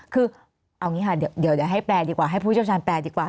คือเอาอย่างนี้ค่ะเดี๋ยวให้แปลดีกว่าให้ผู้เชี่ยวชาญแปลดีกว่า